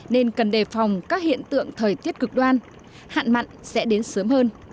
nên cần đề phòng các hiện tượng thời tiết cực đoan hạn mặn sẽ đến sớm hơn